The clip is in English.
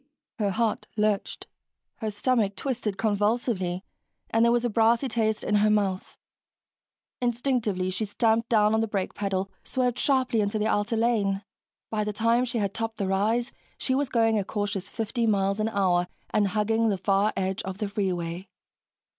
Her heart lurched, her stomach twisted convulsively, and there was a brassy taste in her mouth. Instinctively, she stamped down on the brake pedal, swerved sharply into the outer lane. By the time she had topped the rise, she was going a cautious 50 miles an hour and hugging the far edge of the freeway.